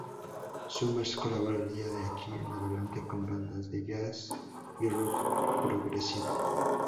Summers colaboraría de aquí en adelante con bandas de jazz y rock progresivo.